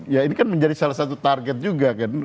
ya ini kan menjadi salah satu target juga kan